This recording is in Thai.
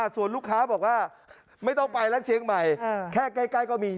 ส่วนลูกค้าบอกว่าไม่ต้องไปแล้วเชียงใหม่แค่ใกล้ก็มี